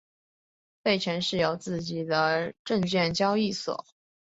费城市有自己的证券交易所。